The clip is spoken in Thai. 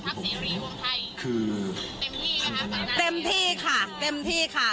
เสรีรวมไทยคือเต็มที่นะคะเต็มที่ค่ะเต็มที่ค่ะ